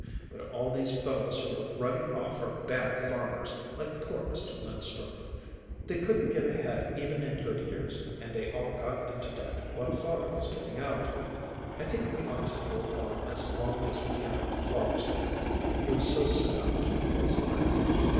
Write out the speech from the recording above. But all these fellows who are running off are bad farmers, like poor Mr. Linstrum. They couldn't get ahead even in good years, and they all got into debt while father was getting out. I think we ought to hold on as long as we can on father's account. He was so set on keeping this land.